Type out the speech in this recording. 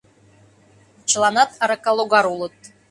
Чыланат аракалогар улыт.